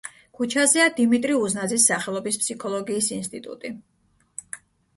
ქუჩაზეა დიმიტრის უზნაძის სახელობის ფსიქოლოგიის ინსტიტუტი.